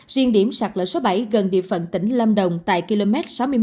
riêng điểm sạt lỡ số bảy gần địa phận tỉnh lâm đồng tại km sáu mươi một